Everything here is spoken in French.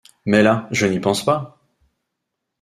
Mais là je n’y pense pas.